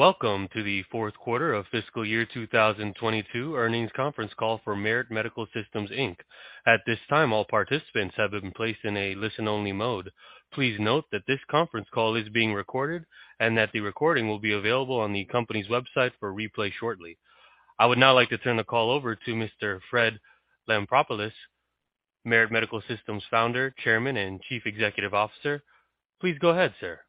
Welcome to the fourth quarter of fiscal year 2022 earnings conference call for Merit Medical Systems, Inc.. At this time, all participants have been placed in a listen-only mode. Please note that this conference call is being recorded and that the recording will be available on the company's website for replay shortly. I would now like to turn the call over to Mr. Fred Lampropoulos, Merit Medical Systems Founder, Chairman, and Chief Executive Officer. Please go ahead, sir.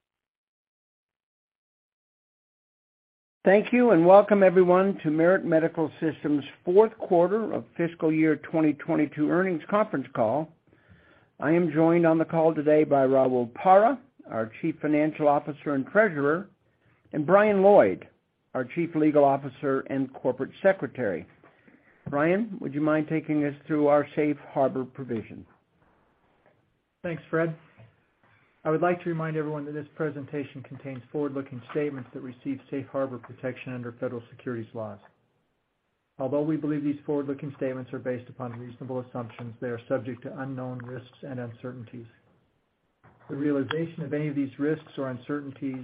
Thank you. Welcome everyone to Merit Medical Systems fourth quarter of fiscal year 2022 earnings conference call. I am joined on the call today by Raul Parra, our Chief Financial Officer and Treasurer, and Brian Lloyd, our Chief Legal Officer and Corporate Secretary. Brian, would you mind taking us through our safe harbor provision? Thanks, Fred. I would like to remind everyone that this presentation contains forward-looking statements that receive safe harbor protection under federal securities laws. Although we believe these forward-looking statements are based upon reasonable assumptions, they are subject to unknown risks and uncertainties. The realization of any of these risks or uncertainties,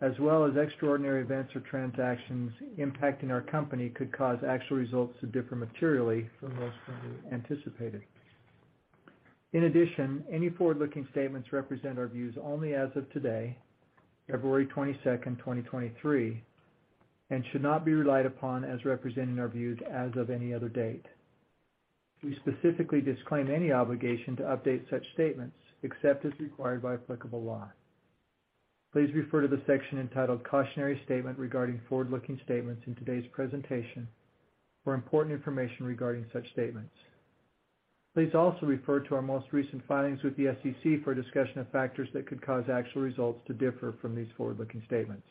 as well as extraordinary events or transactions impacting our company, could cause actual results to differ materially from those currently anticipated. In addition, any forward-looking statements represent our views only as of today, February 22nd, 2023, and should not be relied upon as representing our views as of any other date. We specifically disclaim any obligation to update such statements except as required by applicable law. Please refer to the section entitled Cautionary Statement regarding forward-looking statements in today's presentation for important information regarding such statements. Refer to our most recent filings with the SEC for a discussion of factors that could cause actual results to differ from these forward-looking statements.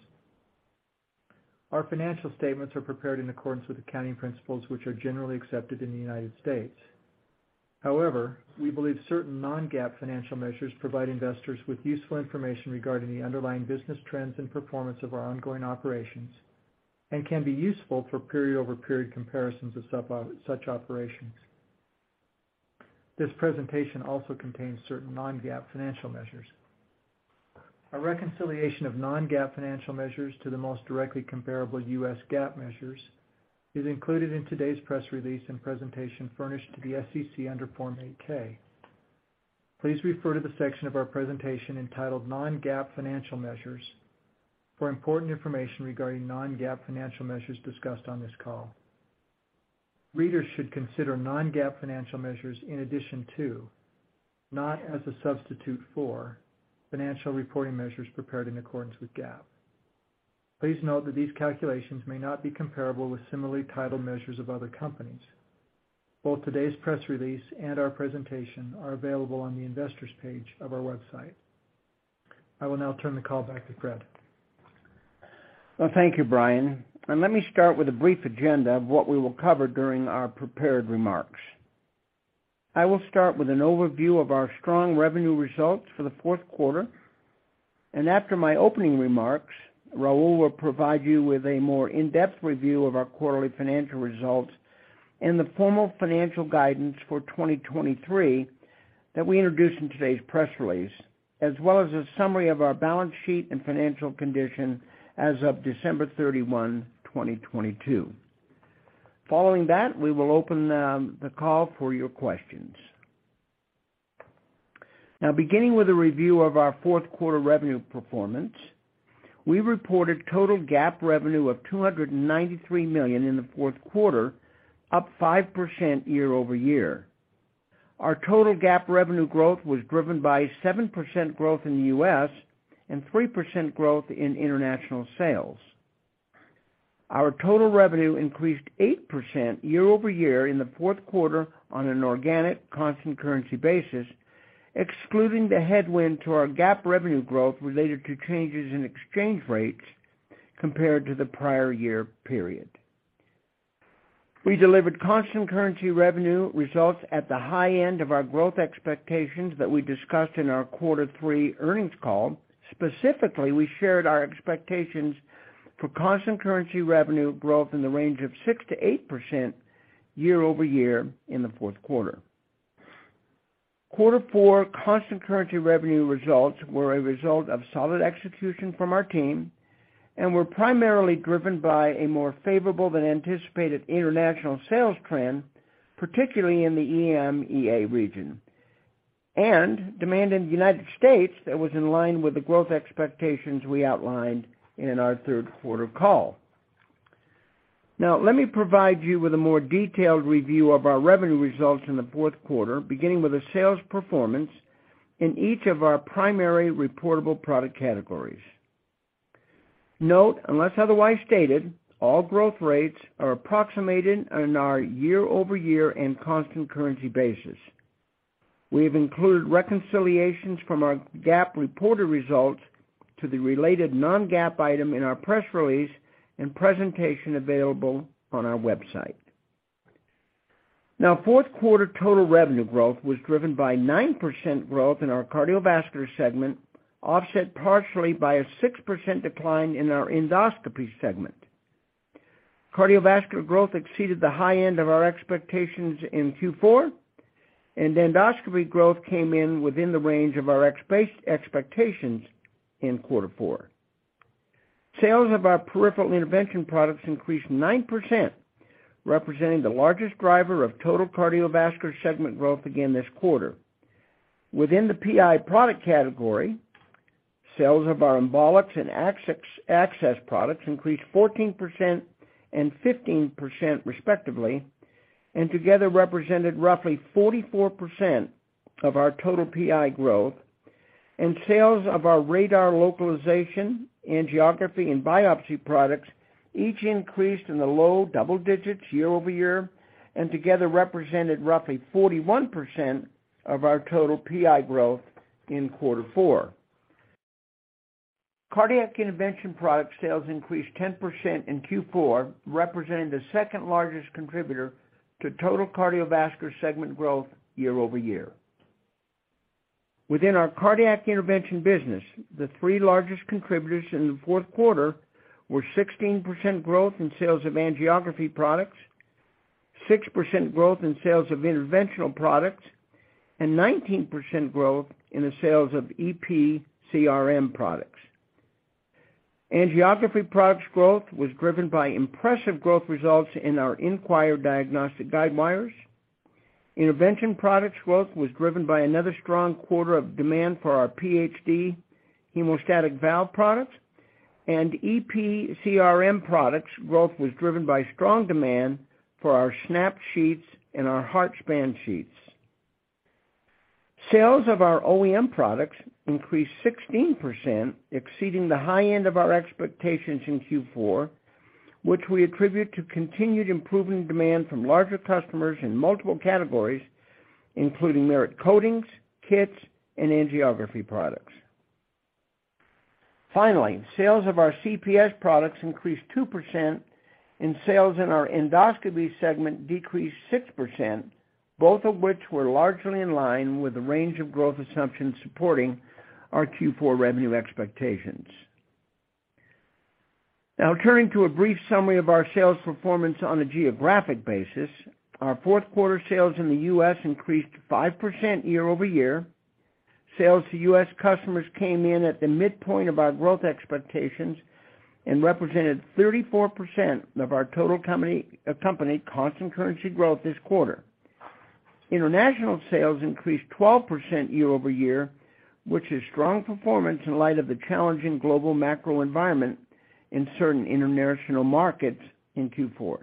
Our financial statements are prepared in accordance with accounting principles, which are generally accepted in the United States. We believe certain non-GAAP financial measures provide investors with useful information regarding the underlying business trends and performance of our ongoing operations and can be useful for period-over-period comparisons of such operations. This presentation also contains certain non-GAAP financial measures. A reconciliation of non-GAAP financial measures to the most directly comparable US GAAP measures is included in today's press release and presentation furnished to the SEC under Form 8-K. Please refer to the section of our presentation entitled Non-GAAP Financial Measures for important information regarding non-GAAP financial measures discussed on this call. Readers should consider non-GAAP financial measures in addition to, not as a substitute for, financial reporting measures prepared in accordance with GAAP. Please note that these calculations may not be comparable with similarly titled measures of other companies. Both today's press release and our presentation are available on the investors page of our website. I will now turn the call back to Fred. Well, thank you, Brian. Let me start with a brief agenda of what we will cover during our prepared remarks. I will start with an overview of our strong revenue results for the fourth quarter. After my opening remarks, Raul will provide you with a more in-depth review of our quarterly financial results and the formal financial guidance for 2023 that we introduced in today's press release, as well as a summary of our balance sheet and financial condition as of December 31, 2022. Following that, we will open the call for your questions. Now beginning with a review of our fourth quarter revenue performance. We reported total GAAP revenue of $293 million in the fourth quarter, up 5% year-over-year. Our total GAAP revenue growth was driven by 7% growth in the U.S. and 3% growth in international sales. Our total revenue increased 8% year-over-year in the fourth quarter on an organic constant currency basis, excluding the headwind to our GAAP revenue growth related to changes in exchange rates compared to the prior year period. We delivered constant currency revenue results at the high end of our growth expectations that we discussed in our quarter three earnings call. Specifically, we shared our expectations for constant currency revenue growth in the range of 6%-8% year-over-year in the fourth quarter. Quarter four constant currency revenue results were a result of solid execution from our team and were primarily driven by a more favorable than anticipated international sales trend, particularly in the EMEA region. Demand in the United States that was in line with the growth expectations we outlined in our third quarter call. Let me provide you with a more detailed review of our revenue results in the fourth quarter, beginning with a sales performance in each of our primary reportable product categories. Unless otherwise stated, all growth rates are approximated on our year-over-year and constant currency basis. We have included reconciliations from our GAAP reported results to the related non-GAAP item in our press release and presentation available on our website. Fourth quarter total revenue growth was driven by 9% growth in our cardiovascular segment, offset partially by a 6% decline in our endoscopy segment. Cardiovascular growth exceeded the high end of our expectations in Q4, and endoscopy growth came in within the range of our expectations in quarter four. Sales of our peripheral intervention products increased 9%, representing the largest driver of total cardiovascular segment growth again this quarter. Within the PI product category, sales of our embolics and access products increased 14% and 15% respectively, and together represented roughly 44% of our total PI growth. Sales of our radar localization, angiography, and biopsy products each increased in the low double digits year-over-year and together represented roughly 41% of our total PI growth in quarter four. Cardiac intervention product sales increased 10% in Q4, representing the second-largest contributor to total cardiovascular segment growth year-over-year. Within our cardiac intervention business, the three largest contributors in the fourth quarter were 16% growth in sales of angiography products, 6% growth in sales of interventional products, and 19% growth in the sales of EPCRM products. Angiography products growth was driven by impressive growth results in our InQwire diagnostic guide wires. Intervention products growth was driven by another strong quarter of demand for our PhD Hemostasis Valve products. EPCRM products growth was driven by strong demand for our SNAP Sheaths and our HeartSpan Sheaths. Sales of our OEM products increased 16%, exceeding the high end of our expectations in Q4, which we attribute to continued improving demand from larger customers in multiple categories, including Merit Coatings, kits, and angiography products. Finally, sales of our CPS products increased 2%, and sales in our endoscopy segment decreased 6%, both of which were largely in line with the range of growth assumptions supporting our Q4 revenue expectations. Now turning to a brief summary of our sales performance on a geographic basis. Our fourth quarter sales in the U.S. increased 5% year-over-year. Sales to U.S. customers came in at the midpoint of our growth expectations and represented 34% of our total company constant currency growth this quarter. International sales increased 12% year-over-year, which is strong performance in light of the challenging global macro environment in certain international markets in Q4.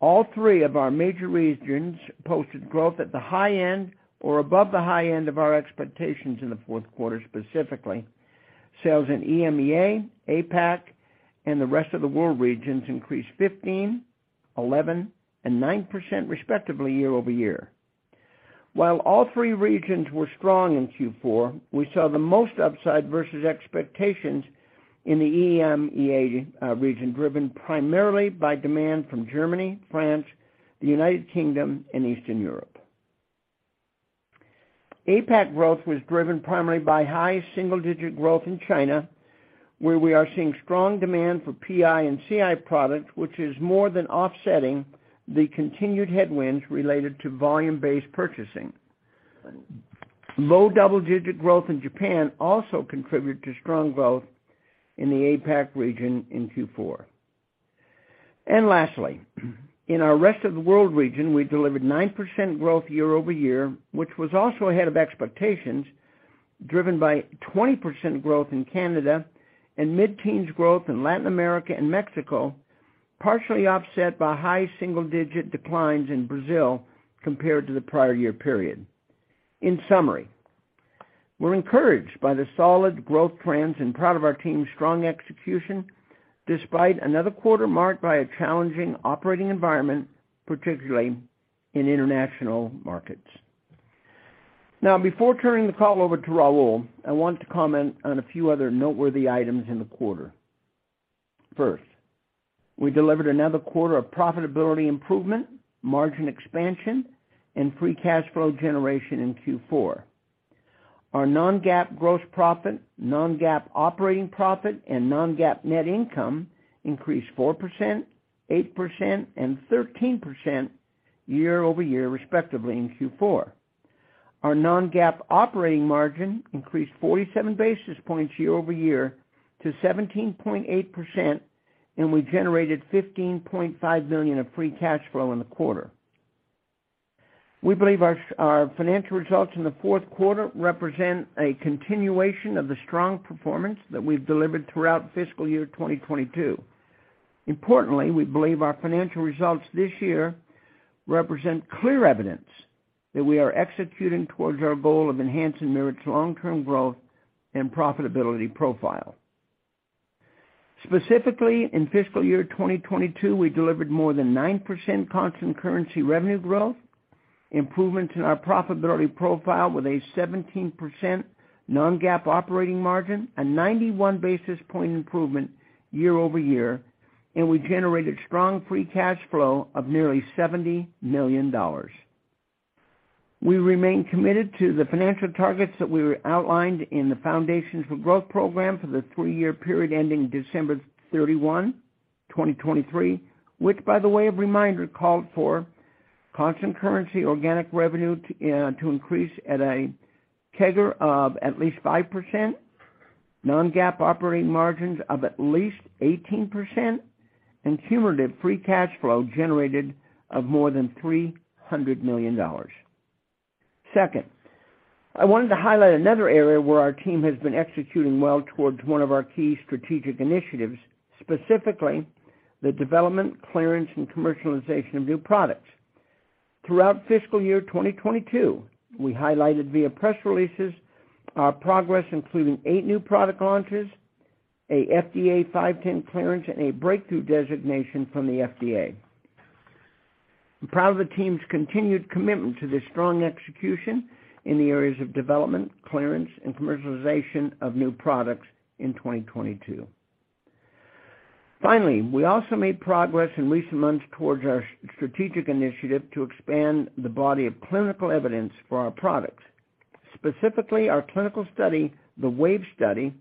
All three of our major regions posted growth at the high end or above the high end of our expectations in the fourth quarter. Specifically, sales in EMEA, APAC, and the rest of the world regions increased 15, 11, and 9% respectively year-over-year. While all three regions were strong in Q4, we saw the most upside versus expectations in the EMEA region, driven primarily by demand from Germany, France, the United Kingdom, and Eastern Europe. APAC growth was driven primarily by high single-digit growth in China, where we are seeing strong demand for PI and CI products which is more than offsetting the continued headwinds related to volume-based purchasing. Low double-digit growth in Japan also contributed to strong growth in the APAC region in Q4. Lastly, in our rest of the world region, we delivered 9% growth year-over-year, which was also ahead of expectations driven by 20% growth in Canada and mid-teens growth in Latin America and Mexico, partially offset by high single-digit declines in Brazil compared to the prior year period. In summary, we're encouraged by the solid growth trends and proud of our team's strong execution despite another quarter marked by a challenging operating environment, particularly in international markets. Now, before turning the call over to Raul, I want to comment on a few other noteworthy items in the quarter. First, we delivered another quarter of profitability improvement, margin expansion, and free cash flow generation in Q4. Our non-GAAP gross profit, non-GAAP operating profit, and non-GAAP net income increased 4%, 8%, and 13% year-over-year, respectively in Q4. Our non-GAAP operating margin increased 47 basis points year-over-year to 17.8%, and we generated $15.5 million of free cash flow in the quarter. We believe our financial results in the fourth quarter represent a continuation of the strong performance that we've delivered throughout fiscal year 2022. Importantly, we believe our financial results this year represent clear evidence that we are executing towards our goal of enhancing Merit's long-term growth and profitability profile. Specifically, in fiscal year 2022, we delivered more than 9% constant currency revenue growth, improvements in our profitability profile with a 17% non-GAAP operating margin, a 91 basis point improvement year-over-year, and we generated strong free cash flow of nearly $70 million. We remain committed to the financial targets that we were outlined in the Foundations for Growth program for the 3-year period ending December 31, 2023, which by the way, of reminder, called for constant currency organic revenue to increase at a CAGR of at least 5%, non-GAAP operating margins of at least 18%, and cumulative free cash flow generated of more than $300 million. Second, I wanted to highlight another area where our team has been executing well towards one of our key strategic initiatives, specifically the development, clearance, and commercialization of new products. Throughout fiscal year 2022, we highlighted via press releases our progress, including 8 new product launches, a FDA 510(k) clearance, and a breakthrough designation from the FDA. I'm proud of the team's continued commitment to this strong execution in the areas of development, clearance, and commercialization of new products in 2022. Finally, we also made progress in recent months towards our strategic initiative to expand the body of clinical evidence for our products. Specifically, our clinical study, the WAVE study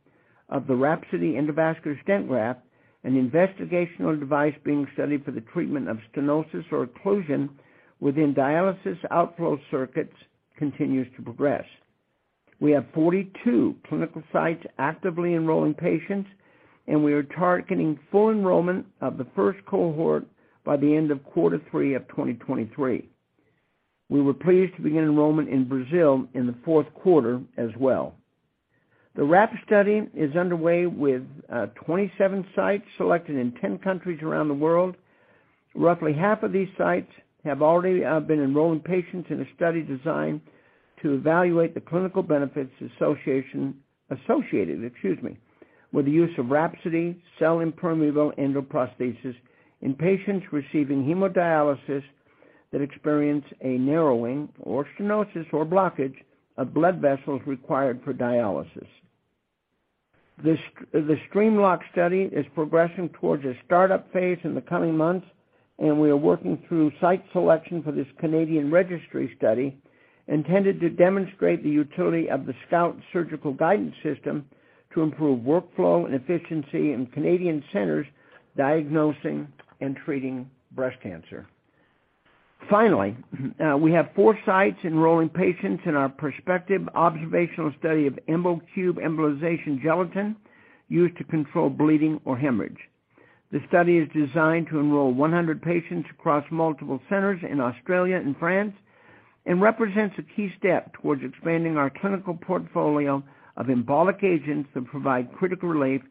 of the WRAPSODY Endovascular Stent Graft, an investigational device being studied for the treatment of stenosis or occlusion within dialysis outflow circuits continues to progress. We have 42 clinical sites actively enrolling patients, and we are targeting full enrollment of the first cohort by the end of quarter three of 2023. We were pleased to begin enrollment in Brazil in the fourth quarter as well. The WRAP study is underway with 27 sites selected in 10 countries around the world. Roughly half of these sites have already been enrolling patients in a study designed to evaluate the clinical benefits associated, excuse me, with the use of WRAPSODY Cell-Impermeable Endoprosthesis in patients receiving hemodialysis that experience a narrowing or stenosis or blockage of blood vessels required for dialysis. The STREAMLINE study is progressing towards a startup phase in the coming months, and we are working through site selection for this Canadian registry study, intended to demonstrate the utility of the SCOUT Surgical Guidance System to improve workflow and efficiency in Canadian centers diagnosing and treating breast cancer. Finally, we have 4 sites enrolling patients in our prospective observational study of EmboCube embolization gelatin used to control bleeding or hemorrhage. This study is designed to enroll 100 patients across multiple centers in Australia and France, and represents a key step towards expanding our clinical portfolio of embolic agents that provide critical relief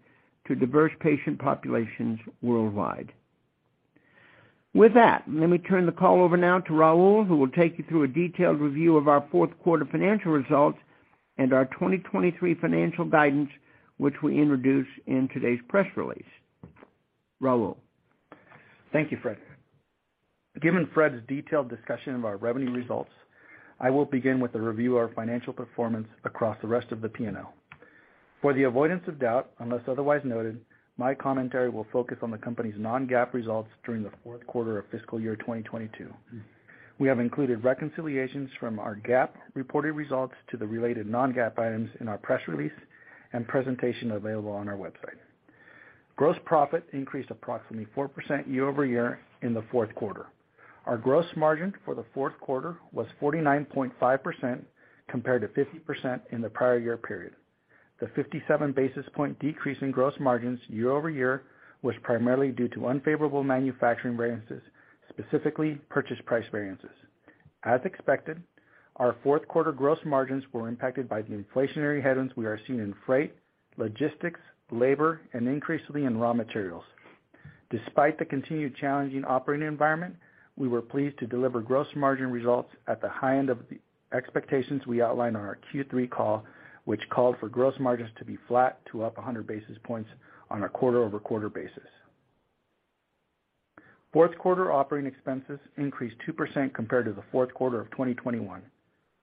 to diverse patient populations worldwide. With that, let me turn the call over now to Raul, who will take you through a detailed review of our fourth quarter financial results and our 2023 financial guidance, which we introduced in today's press release. Raul. Thank you, Fred. Given Fred's detailed discussion of our revenue results, I will begin with a review of our financial performance across the rest of the P&L. For the avoidance of doubt, unless otherwise noted, my commentary will focus on the company's non-GAAP results during the fourth quarter of fiscal year 2022. We have included reconciliations from our GAAP reported results to the related non-GAAP items in our press release and presentation available on our website. Gross profit increased approximately 4% year-over-year in the fourth quarter. Our gross margin for the fourth quarter was 49.5% compared to 50% in the prior year period. The 57 basis point decrease in gross margins year-over-year was primarily due to unfavorable manufacturing variances, specifically purchase price variances. As expected, our fourth quarter gross margins were impacted by the inflationary headwinds we are seeing in freight, logistics, labor, and increasingly in raw materials. Despite the continued challenging operating environment, we were pleased to deliver gross margin results at the high end of the expectations we outlined on our Q3 call, which called for gross margins to be flat to up 100 basis points on a quarter-over-quarter basis. Fourth quarter operating expenses increased 2% compared to the fourth quarter of 2021.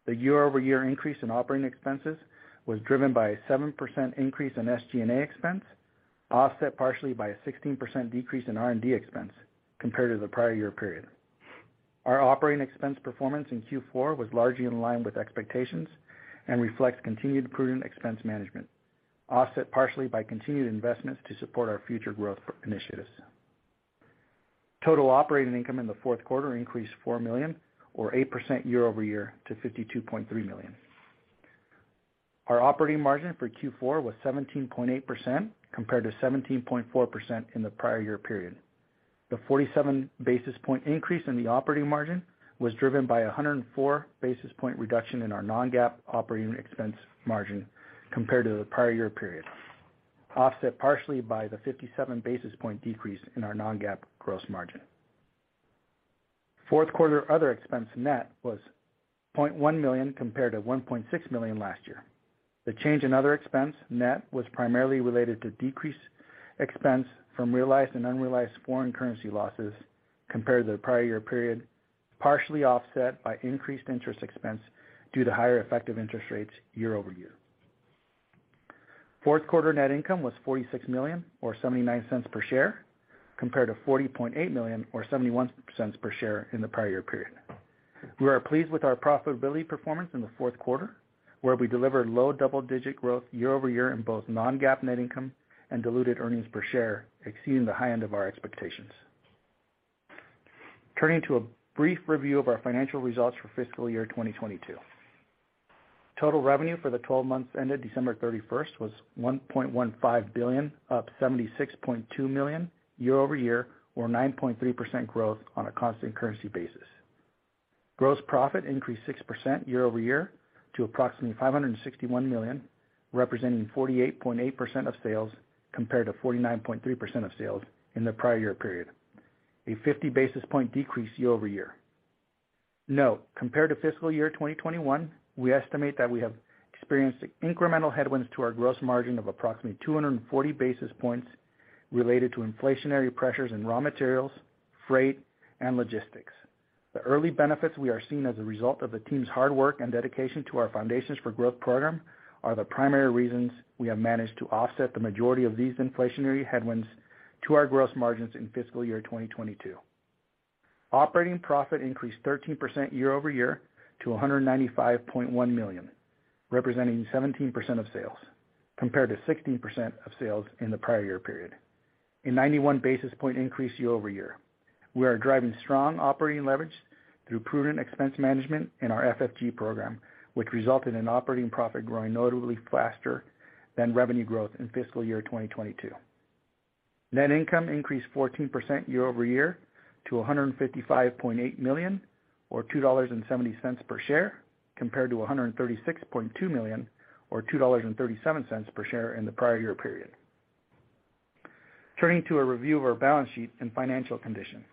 The year-over-year increase in operating expenses was driven by a 7% increase in SG&A expense, offset partially by a 16% decrease in R&D expense compared to the prior year period. Our operating expense performance in Q4 was largely in line with expectations and reflects continued prudent expense management, offset partially by continued investments to support our future growth initiatives. Total operating income in the fourth quarter increased $4 million or 8% year-over-year to $52.3 million. Our operating margin for Q4 was 17.8% compared to 17.4% in the prior year period. The 47 basis point increase in the operating margin was driven by a 104 basis point reduction in our non-GAAP operating expense margin compared to the prior year period, offset partially by the 57 basis point decrease in our non-GAAP gross margin. Fourth quarter other expense net was $0.1 million compared to $1.6 million last year. The change in other expense net was primarily related to decreased expense from realized and unrealized foreign currency losses compared to the prior year period, partially offset by increased interest expense due to higher effective interest rates year-over-year. Fourth quarter net income was $46 million or $0.79 per share, compared to $40.8 million or $0.71 per share in the prior year period. We are pleased with our profitability performance in the fourth quarter, where we delivered low double-digit growth year-over-year in both non-GAAP net income and diluted earnings per share, exceeding the high end of our expectations. Turning to a brief review of our financial results for fiscal year 2022. Total revenue for the 12 months ended December 31st was $1.15 billion, up $76.2 million year-over-year or 9.3% growth on a constant currency basis. Gross profit increased 6% year-over-year to approximately $561 million, representing 48.8% of sales, compared to 49.3% of sales in the prior year period, a 50 basis point decrease year-over-year. Note, compared to fiscal year 2021, we estimate that we have experienced incremental headwinds to our gross margin of approximately 240 basis points related to inflationary pressures in raw materials, freight, and logistics. The early benefits we are seeing as a result of the team's hard work and dedication to our Foundations for Growth program are the primary reasons we have managed to offset the majority of these inflationary headwinds to our gross margins in fiscal year 2022. Operating profit increased 13% year-over-year to $195.1 million, representing 17% of sales, compared to 16% of sales in the prior year period. A 91 basis point increase year-over-year. We are driving strong operating leverage through prudent expense management in our FFG program, which resulted in operating profit growing notably faster than revenue growth in fiscal year 2022. Net income increased 14% year-over-year to $155.8 million or $2.70 per share, compared to $136.2 million or $2.37 per share in the prior year period. Turning to a review of our balance sheet and financial condition.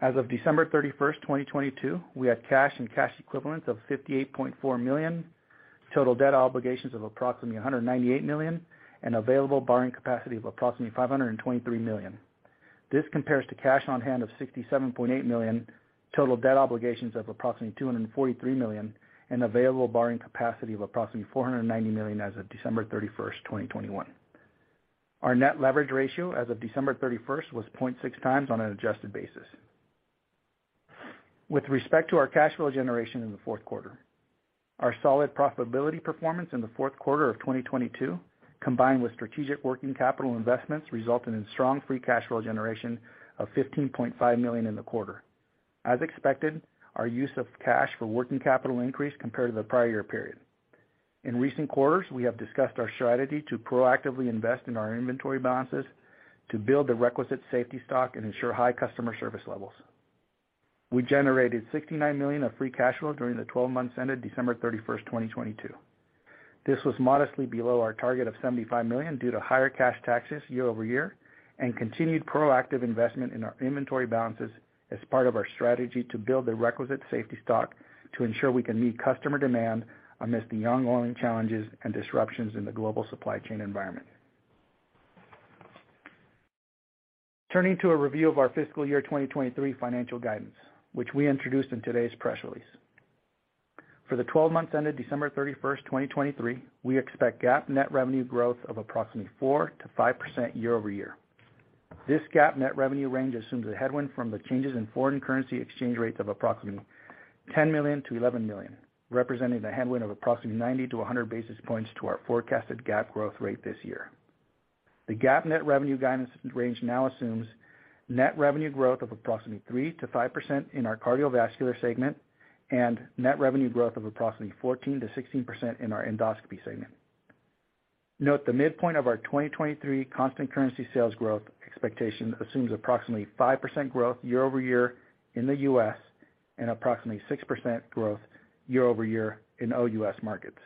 As of December 31st, 2022, we had cash and cash equivalents of $58.4 million, total debt obligations of approximately $198 million, and available borrowing capacity of approximately $523 million. This compares to cash on hand of $67.8 million, total debt obligations of approximately $243 million, and available borrowing capacity of approximately $490 million as of December 31st, 2021. Our net leverage ratio as of December 31st was 0.6 times on an adjusted basis. With respect to our cash flow generation in the fourth quarter, our solid profitability performance in the fourth quarter of 2022, combined with strategic working capital investments, resulted in strong free cash flow generation of $15.5 million in the quarter. As expected, our use of cash for working capital increased compared to the prior year period. In recent quarters, we have discussed our strategy to proactively invest in our inventory balances to build the requisite safety stock and ensure high customer service levels. We generated $69 million of free cash flow during the 12 months ended December 31st, 2022. This was modestly below our target of $75 million due to higher cash taxes year-over-year and continued proactive investment in our inventory balances as part of our strategy to build the requisite safety stock to ensure we can meet customer demand amidst the ongoing challenges and disruptions in the global supply chain environment. Turning to a review of our fiscal year 2023 financial guidance, which we introduced in today's press release. For the 12 months ended December 31, 2023, we expect GAAP net revenue growth of approximately 4%-5% year-over-year. This GAAP net revenue range assumes a headwind from the changes in foreign currency exchange rates of approximately $10 million-$11 million, representing a headwind of approximately 90-100 basis points to our forecasted GAAP growth rate this year. The GAAP net revenue guidance range now assumes net revenue growth of approximately 3%-5% in our cardiovascular segment and net revenue growth of approximately 14%-16% in our endoscopy segment. Note the midpoint of our 2023 constant currency sales growth expectation assumes approximately 5% growth year-over-year in the U.S. and approximately 6% growth year-over-year in OUS markets.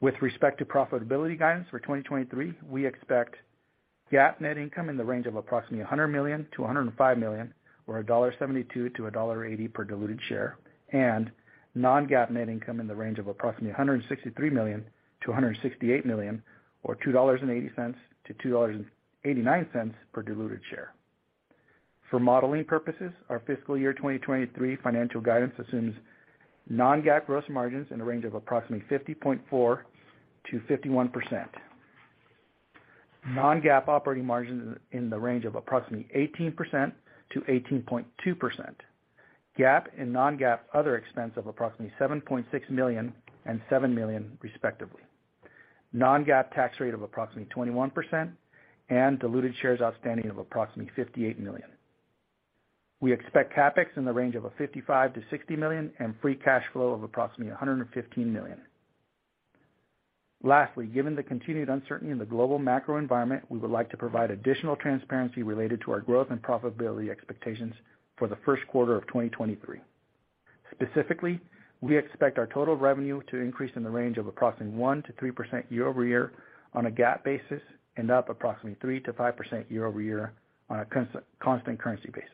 With respect to profitability guidance for 2023, we expect GAAP net income in the range of approximately $100 million-$105 million, or $1.72-$1.80 per diluted share, and non-GAAP net income in the range of approximately $163 million-$168 million, or $2.80-$2.89 per diluted share. For modeling purposes, our fiscal year 2023 financial guidance assumes non-GAAP gross margins in a range of approximately 50.4%-51%. Non-GAAP operating margins in the range of approximately 18%-18.2%. GAAP and non-GAAP other expense of approximately $7.6 million and $7 million, respectively. Non-GAAP tax rate of approximately 21% and diluted shares outstanding of approximately 58 million. We expect CapEx in the range of $55 million-$60 million and free cash flow of approximately $115 million. Given the continued uncertainty in the global macro environment, we would like to provide additional transparency related to our growth and profitability expectations for the first quarter of 2023. We expect our total revenue to increase in the range of approximately 1%-3% year-over-year on a GAAP basis and up approximately 3%-5% year-over-year on a constant currency basis.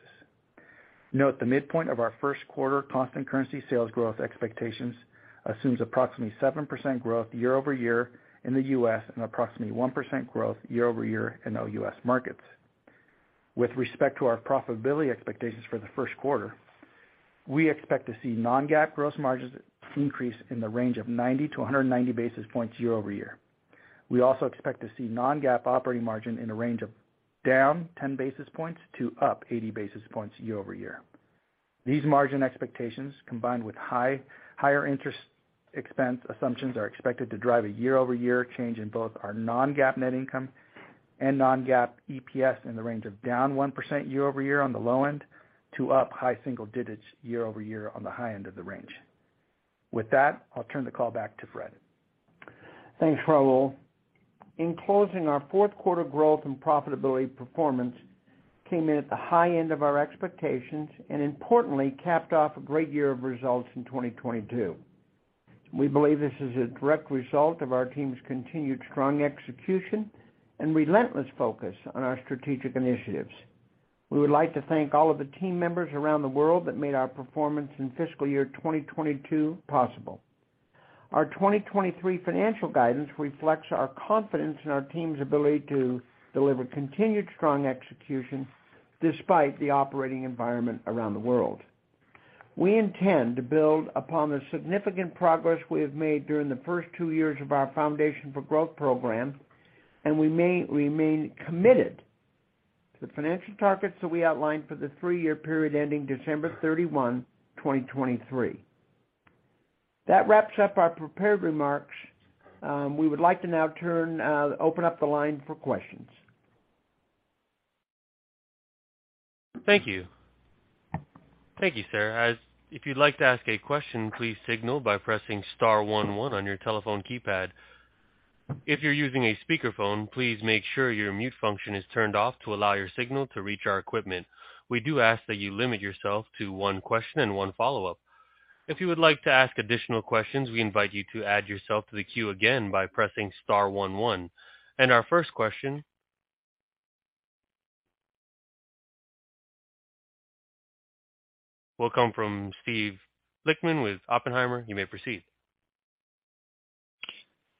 Note the midpoint of our first quarter constant currency sales growth expectations assumes approximately 7% growth year-over-year in the U.S. and approximately 1% growth year-over-year in OUS markets. With respect to our profitability expectations for the first quarter, we expect to see non-GAAP gross margins increase in the range of 90-190 basis points year-over-year. We also expect to see non-GAAP operating margin in a range of down 10 basis points to up 80 basis points year-over-year. These margin expectations, combined with higher interest expense assumptions, are expected to drive a year-over-year change in both our non-GAAP net income and non-GAAP EPS in the range of down 1% year-over-year on the low end to up high single digits year-over-year on the high end of the range. With that, I'll turn the call back to Fred. Thanks, Raul. In closing, our fourth quarter growth and profitability performance came in at the high end of our expectations and importantly capped off a great year of results in 2022. We believe this is a direct result of our team's continued strong execution and relentless focus on our strategic initiatives. We would like to thank all of the team members around the world that made our performance in fiscal year 2022 possible. Our 2023 financial guidance reflects our confidence in our team's ability to deliver continued strong execution despite the operating environment around the world. We intend to build upon the significant progress we have made during the first two years of our Foundations for Growth program, and we may remain committed to the financial targets that we outlined for the three-year period ending December 31, 2023. That wraps up our prepared remarks. We would like to now turn, open up the line for questions. Thank you. Thank you, sir. If you'd like to ask a question, please signal by pressing star one one on your telephone keypad. If you're using a speakerphone, please make sure your mute function is turned off to allow your signal to reach our equipment. We do ask that you limit yourself to one question and one follow-up. If you would like to ask additional questions, we invite you to add yourself to the queue again by pressing star one one. Our first question will come from Steven Lichtman with Oppenheimer. You may proceed.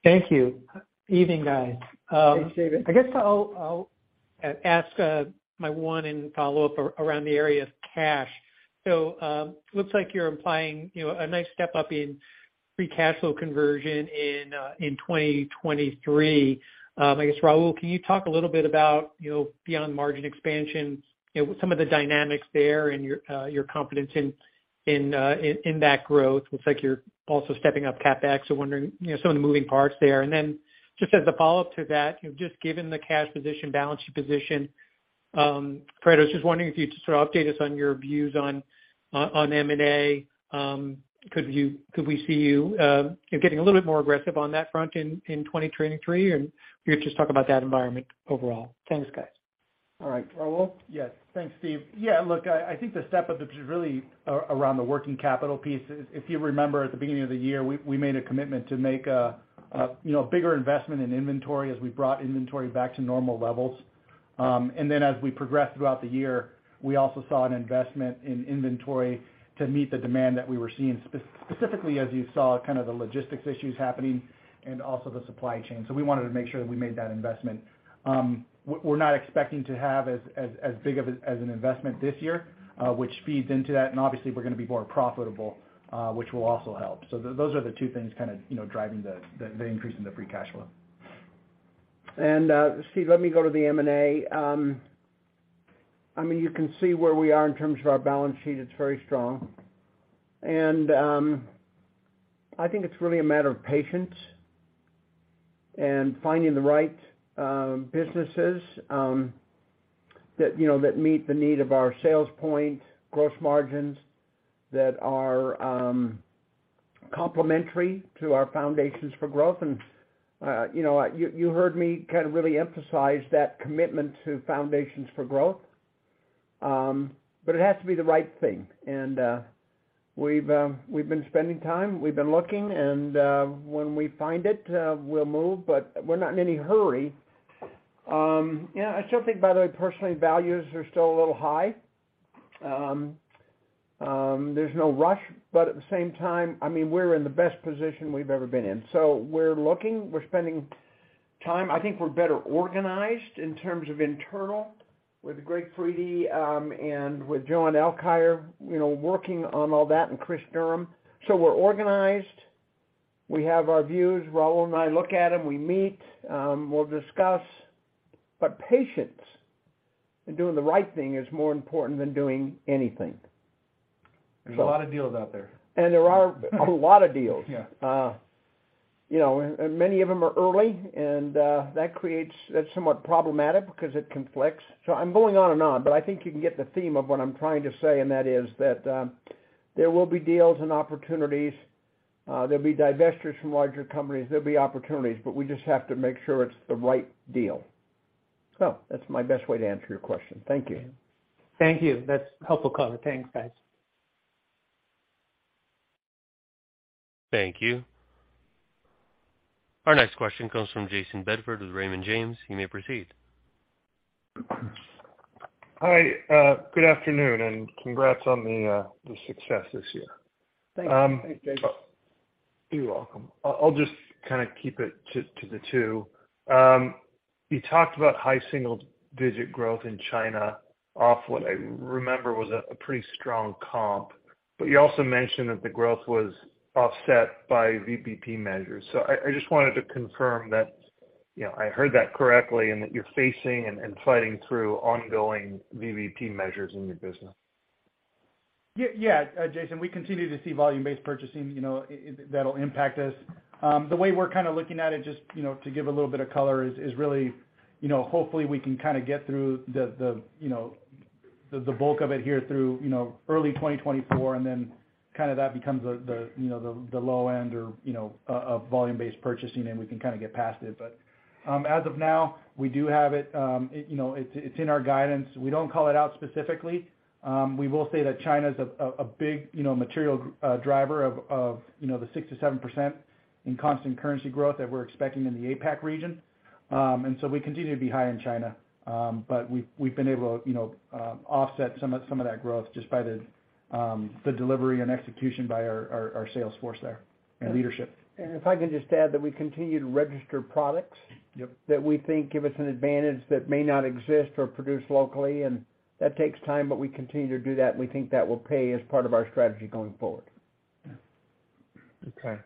Thank you. Evening, guys. Thanks, Steven. I guess I'll ask my one and follow up around the area of cash. Looks like you're implying, you know, a nice step up in free cash flow conversion in 2023. I guess, Raul, can you talk a little bit about, you know, beyond margin expansion, you know, some of the dynamics there and your confidence in that growth? Looks like you're also stepping up CapEx. Wondering, you know, some of the moving parts there. Just as a follow-up to that, you know, just given the cash position, balance sheet position, Fred, I was just wondering if you could sort of update us on your views on M&A. Could we see you know, getting a little bit more aggressive on that front in 2023? You could just talk about that environment overall. Thanks, guys. All right. Raul? Yes. Thanks, Steve. Yeah, look, I think the step up is really around the working capital piece. If you remember at the beginning of the year, we made a, you know, bigger investment in inventory as we brought inventory back to normal levels. As we progressed throughout the year, we also saw an investment in inventory to meet the demand that we were seeing, specifically as you saw kind of the logistics issues happening and also the supply chain. We wanted to make sure that we made that investment. We're not expecting to have as big of an investment this year, which feeds into that. Obviously, we're gonna be more profitable, which will also help. Those are the two things kind of, you know, driving the increase in the free cash flow. Steve, let me go to the M&A. I mean, you can see where we are in terms of our balance sheet. It's very strong. I think it's really a matter of patience and finding the right businesses that, you know, that meet the need of our sales point, gross margins, that are complementary to our Foundations for Growth. You know, you heard me kind of really emphasize that commitment to Foundations for Growth. But it has to be the right thing. We've been spending time, we've been looking and when we find it, we'll move, but we're not in any hurry. Yeah, I still think, by the way, personally, values are still a little high. There's no rush, but at the same time, I mean, we're in the best position we've ever been in. We're looking, we're spending time. I think we're better organized in terms of internal with Greg Fredde, and with JoAnne Alkire, you know, working on all that, and Chris Durham. We're organized. We have our views. Raul and I look at them, we meet, we'll discuss. Patience and doing the right thing is more important than doing anything. There's a lot of deals out there. There are a lot of deals. Yeah. You know, many of them are early, that's somewhat problematic because it conflicts. I'm going on and on, but I think you can get the theme of what I'm trying to say, and that is that there will be deals and opportunities. There'll be divestitures from larger companies. There'll be opportunities, but we just have to make sure it's the right deal. That's my best way to answer your question. Thank you. Thank you. That's helpful color. Thanks, guys. Thank you. Our next question comes from Jayson Bedford with Raymond James. You may proceed. Hi, good afternoon, and congrats on the success this year. Thanks. Thanks, Jayson. You're welcome. I'll just kind of keep it to the two. You talked about high single digit growth in China off what I remember was a pretty strong comp. You also mentioned that the growth was offset by VBP measures. I just wanted to confirm that, you know, I heard that correctly, and that you're facing and fighting through ongoing VBP measures in your business. Yeah, Jayson, we continue to see volume-based purchasing, you know, that'll impact us. The way we're kind of looking at it just, you know, to give a little bit of color is really, you know, hopefully we can kind of get through the, you know, the bulk of it here through, you know, early 2024, and then kind of that becomes the, you know, the low end or, you know, of volume-based purchasing, and we can kind of get past it. As of now, we do have it. It, you know, it's in our guidance. We don't call it out specifically. We will say that China's a big, you know, material driver of, you know, the 6%-7% in constant currency growth that we're expecting in the APAC region. We continue to be high in China. We've been able to, you know, offset some of that growth just by the delivery and execution by our sales force there and leadership. If I can just add that we continue to register products... Yep. -that we think give us an advantage that may not exist or produced locally, and that takes time, but we continue to do that, and we think that will pay as part of our strategy going forward. Okay.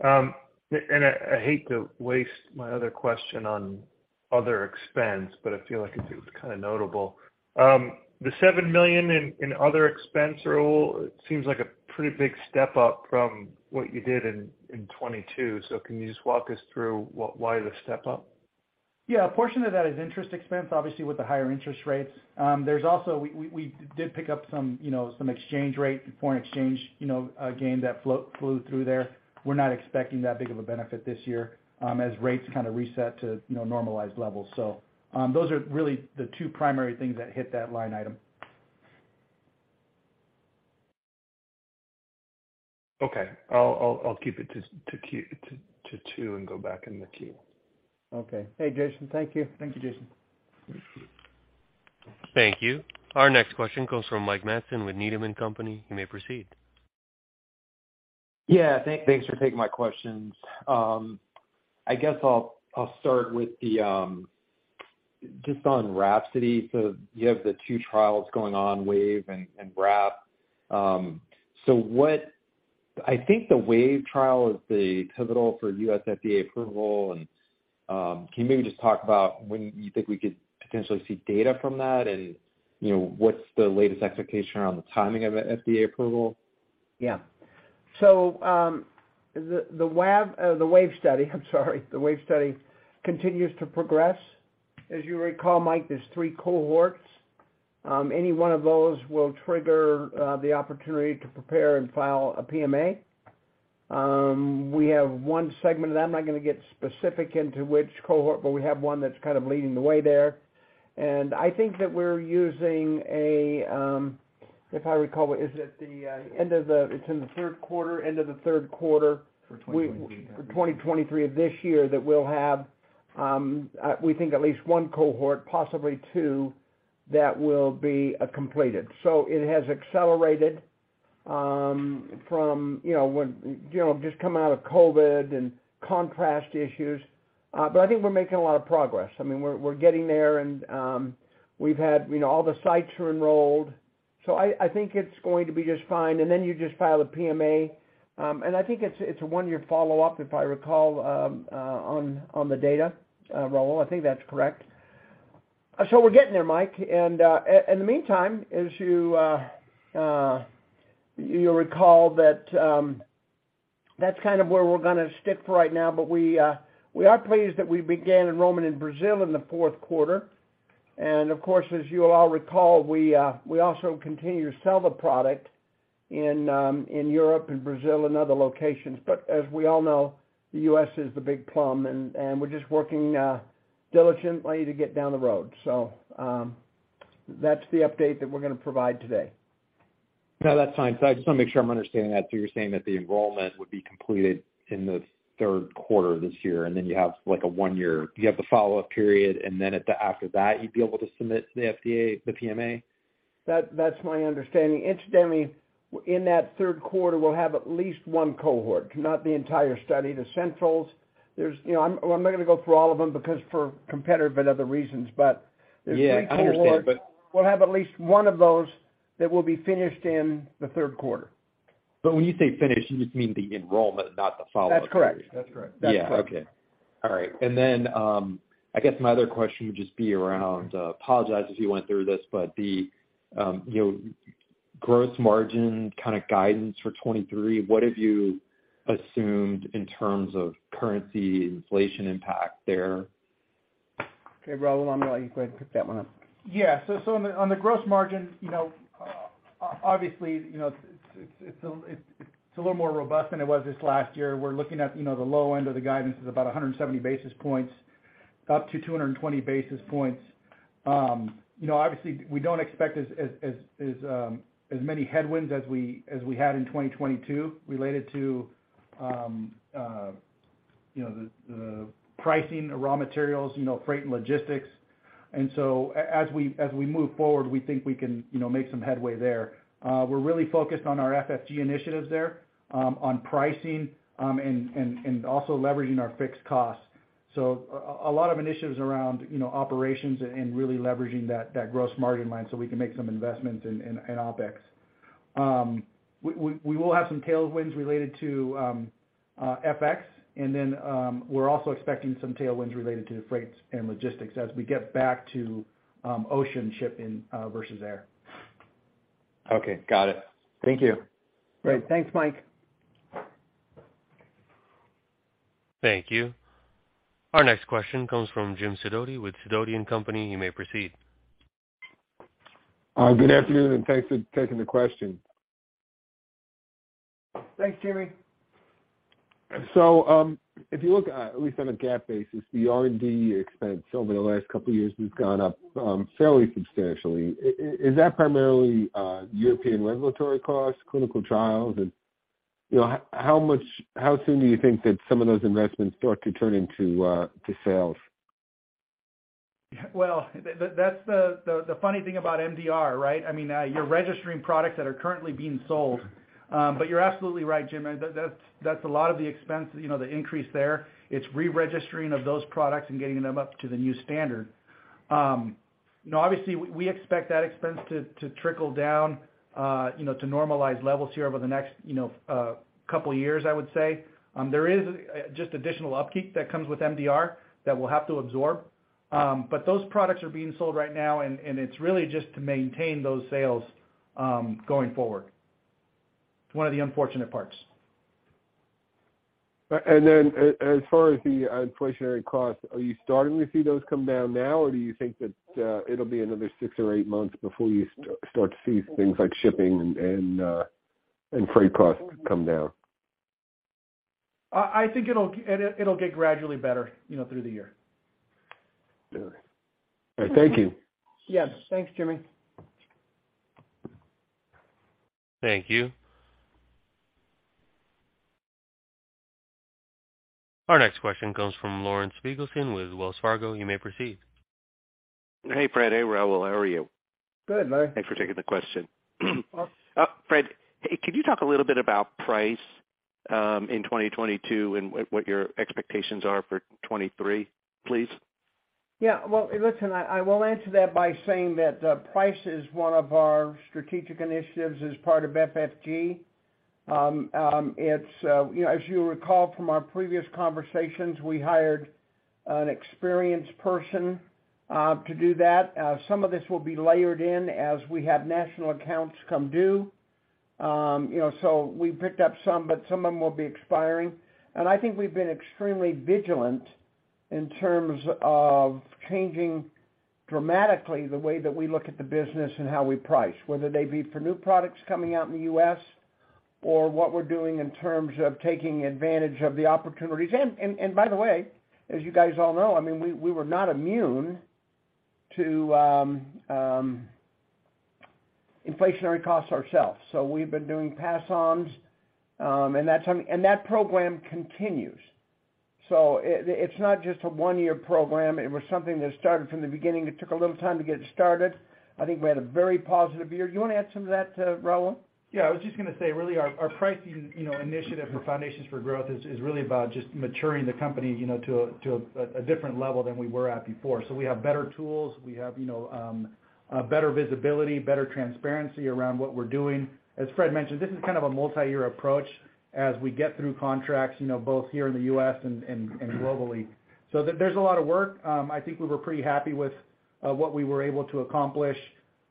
And I hate to waste my other question on other expense, but I feel like it's kind of notable. The $7 million in other expense, Raul, it seems like a pretty big step up from what you did in 2022. Can you just walk us through why the step up? Yeah. A portion of that is interest expense, obviously with the higher interest rates. There's also we did pick up some, you know, some exchange rate, foreign exchange, you know, gain that flew through there. We're not expecting that big of a benefit this year, as rates kind of reset to, you know, normalized levels. Those are really the two primary things that hit that line item. Okay. I'll keep it to two and go back in the queue. Okay. Hey, Jayson. Thank you. Thank you, Jayson. Thank you. Our next question comes from Michael Matson with Needham & Company. You may proceed. Yeah. Thanks for taking my questions. I guess I'll start with the, just on WRAPSODY. You have the two trials going on, WAVE and WRAP. I think the WAVE trial is the pivotal for U.S. FDA approval. Can you maybe just talk about when you think we could potentially see data from that? You know, what's the latest expectation around the timing of a FDA approval? Yeah. The WAVE study continues to progress. As you recall, Mike, there's 3 cohorts. Any one of those will trigger the opportunity to prepare and file a PMA. We have one segment of that. I'm not gonna get specific into which cohort, but we have one that's kind of leading the way there. I think that we're using a, if I recall, is it the end of the 3rd quarter. For 2023. 2023 of this year that we'll have, we think at least 1 cohort, possibly 2, that will be completed. It has accelerated from, you know, when, you know, just coming out of COVID and contrast issues. I think we're making a lot of progress. I mean, we're getting there and, we've had, you know, all the sites are enrolled. I think it's going to be just fine. You just file a PMA. I think it's a 1-year follow-up, if I recall, on the data, Raul. I think that's correct. We're getting there, Mike. In the meantime, as you'll recall that's kind of where we're gonna stick for right now. We, we are pleased that we began enrollment in Brazil in the fourth quarter. Of course, as you will all recall, we also continue to sell the product in Europe and Brazil and other locations. As we all know, the U.S. is the big plum and we're just working diligently to get down the road. That's the update that we're gonna provide today. No, that's fine. I just wanna make sure I'm understanding that. You're saying that the enrollment would be completed in the third quarter of this year, and then you have like a one-year follow-up period, and then after that, you'd be able to submit to the FDA the PMA? That's my understanding. Incidentally, in that third quarter, we'll have at least one cohort, not the entire study. The centrals, there's, you know, I'm not gonna go through all of them because for competitive and other reasons. Yeah, I understand.... there's three cohorts. We'll have at least one of those that will be finished in the third quarter. When you say finished, you just mean the enrollment, not the follow-up. That's correct. That's correct. That's correct. Yeah. Okay. All right. I guess my other question would just be around, apologize if you went through this, but the, you know, growth margin kind of guidance for 2023, what have you assumed in terms of currency inflation impact there? Raul, I'm gonna let you go ahead and pick that one up. Yeah. On the gross margin, you know, obviously, you know, it's a little more robust than it was this last year. We're looking at, you know, the low end of the guidance is about 170 basis points, up to 220 basis points. You know, obviously we don't expect as many headwinds as we had in 2022 related to. You know, the pricing, the raw materials, you know, freight and logistics. As we, as we move forward, we think we can, you know, make some headway there. We're really focused on our FFG initiatives there, on pricing, and also leveraging our fixed costs. So a lot of initiatives around, you know, operations and really leveraging that gross margin line so we can make some investments in OpEx. We will have some tailwinds related to FX. We're also expecting some tailwinds related to the freights and logistics as we get back to ocean shipping versus air. Okay. Got it. Thank you. Great. Thanks, Mike. Thank you. Our next question comes from James Sidoti with Sidoti & Company. You may proceed. Good afternoon, thanks for taking the question. Thanks, Jimmy. If you look, at least on a GAAP basis, the R&D expense over the last couple years has gone up, fairly substantially. Is that primarily European regulatory costs, clinical trials? You know, how soon do you think that some of those investments start to turn into sales? Well, that's the funny thing about MDR, right? I mean, you're registering products that are currently being sold. You're absolutely right, Jim. That's a lot of the expense, you know, the increase there. It's reregistering of those products and getting them up to the new standard. You know, obviously we expect that expense to trickle down, you know, to normalize levels here over the next, you know, couple years, I would say. There is just additional upkeep that comes with MDR that we'll have to absorb. Those products are being sold right now, and it's really just to maintain those sales going forward. It's one of the unfortunate parts. As far as the inflationary costs, are you starting to see those come down now? Or do you think that it'll be another six or eight months before you start to see things like shipping and freight costs come down? I think it'll get gradually better, you know, through the year. All right. Thank you. Yeah. Thanks, Jimmy. Thank you. Our next question comes from Lawrence Biegelsen with Wells Fargo. You may proceed. Hey, Fred. Hey, Raul. How are you? Good, Larry. Thanks for taking the question. Hey, could you talk a little bit about price, in 2022 and what your expectations are for 2023, please? Yeah. Well, listen, I will answer that by saying that price is one of our strategic initiatives as part of FFG. It's, you know, as you recall from our previous conversations, we hired an experienced person to do that. Some of this will be layered in as we have national accounts come due. You know, so we picked up some, but some of them will be expiring. I think we've been extremely vigilant in terms of changing dramatically the way that we look at the business and how we price, whether they be for new products coming out in the U.S. or what we're doing in terms of taking advantage of the opportunities. By the way, as you guys all know, I mean, we were not immune to inflationary costs ourselves. We've been doing pass-ons, and that program continues. It's not just a 1-year program. It was something that started from the beginning. It took a little time to get started. I think we had a very positive year. Do you want to add some of that, Raul? Yeah. I was just gonna say, really our pricing, you know, initiative for Foundations for Growth is really about just maturing the company, you know, to a different level than we were at before. We have better tools. We have, you know, better visibility, better transparency around what we're doing. As Fred mentioned, this is kind of a multi-year approach as we get through contracts, you know, both here in the US and globally. There's a lot of work. I think we were pretty happy with what we were able to accomplish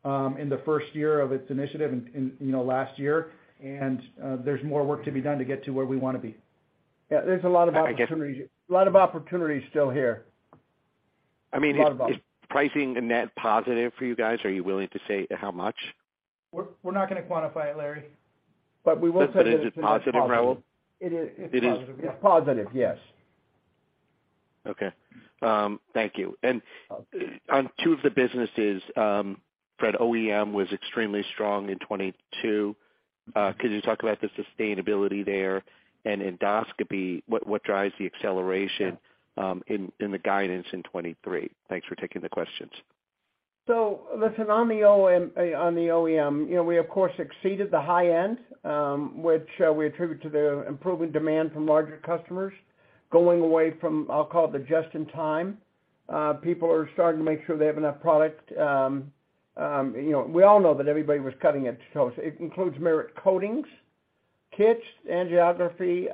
in the first year of its initiative in, you know, last year. There's more work to be done to get to where we wanna be. Yeah, there's a lot of opportunities- I get- A lot of opportunities still here. I mean, A lot of them. Is pricing a net positive for you guys? Are you willing to say how much? We're not gonna quantify it, Larry, but we will say that it's a net positive. Is it positive, Raul? It is. It's positive. Yeah. It's positive, yes. Thank you. On two of the businesses, Fred, OEM was extremely strong in 2022. Could you talk about the sustainability there? Endoscopy, what drives the acceleration in the guidance in 2023? Thanks for taking the questions. Listen on the OEM, you know, we of course, exceeded the high end, which we attribute to the improving demand from larger customers going away from, I'll call it the just in time. People are starting to make sure they have enough product. You know, we all know that everybody was cutting it close. It includes Merit Coatings, kits, angiography.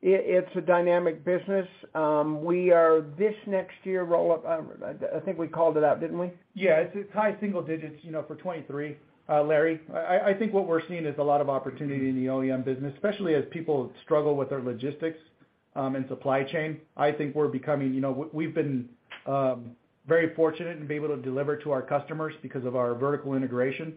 It's a dynamic business. We are this next year roll up. I think we called it out, didn't we? Yeah, it's high single digits, you know, for 23, Larry. I think what we're seeing is a lot of opportunity in the OEM business, especially as people struggle with their logistics and supply chain. I think we're becoming, you know, We've been very fortunate and be able to deliver to our customers because of our vertical integration.